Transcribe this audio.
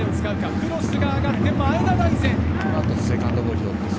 クロスが上がって前田大然。